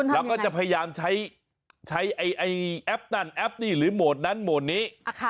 แล้วก็จะพยายามใช้แอปนั่นแอปนี่หรือโหมดนั้นโหมดนี้